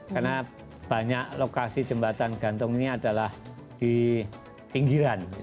karena banyak lokasi jembatan gantung ini adalah di pinggiran